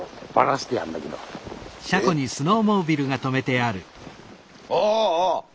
ああ！